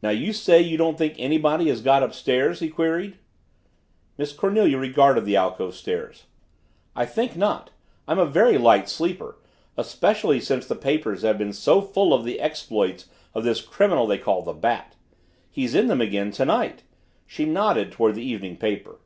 "Now you say you don't think anybody has got upstairs yet?" he queried. Miss Cornelia regarded the alcove stairs. "I think not. I'm a very light sleeper, especially since the papers have been so full of the exploits of this criminal they call the Bat. He's in them again tonight." She nodded toward the evening paper.